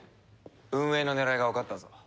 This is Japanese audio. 運営の狙いがわかったぞ。